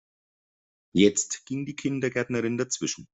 Jetzt ging die Kindergärtnerin dazwischen.